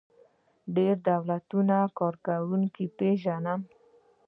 زه ډیر دولتی کارکوونکي پیژنم.